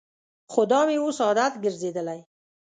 خو دا مې اوس عادت ګرځېدلی.